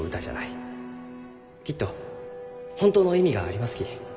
きっと本当の意味がありますき。